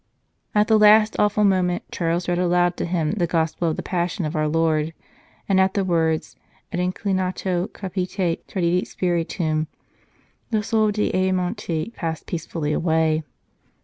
At the last awful moment Charles read aloud to him the Gospel of the Passion of our Lord, and at the words, Et inclinato capite tradidit spiritum, the soul of D Ayamonte passed peacefully away.